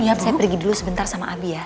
bi bi inget saya pergi dulu sebentar sama abi ya